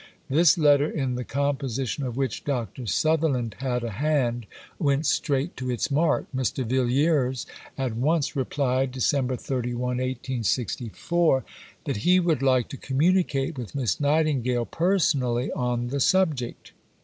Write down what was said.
This letter, in the composition of which Dr. Sutherland had a hand, went straight to its mark. Mr. Villiers at once replied (Dec. 31, 1864) that he would like to communicate with Miss Nightingale personally on the subject.